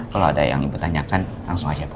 kalau ada yang ibu tanyakan langsung aja pak